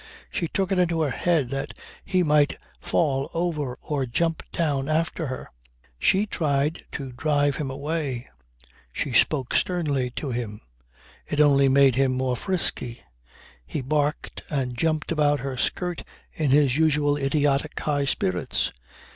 She took it into her head that he might fall over or jump down after her. She tried to drive him away. She spoke sternly to him. It only made him more frisky. He barked and jumped about her skirt in his usual, idiotic, high spirits.